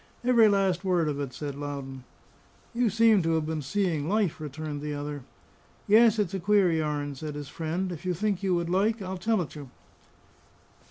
"Every last word of it," said Loudon. "You seem to have been seeing life," returned the other. "Yes, it's a queer yarn," said his friend; "if you think you would like, I'll tell it you."